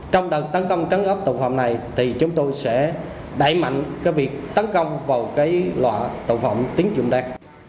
trong đợt tấn công trắng ấp tội phạm này thì chúng tôi sẽ đẩy mạnh cái việc tấn công vào loại tội phạm tín dụng đen